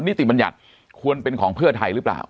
ติบัญญัติควรเป็นของเพื่อไทยหรือเปล่า